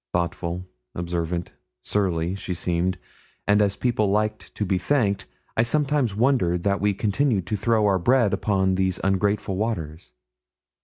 Thoughtful, observant, surly, she seemed; and as people like to be thanked, I sometimes wonder that we continued to throw our bread upon these ungrateful waters.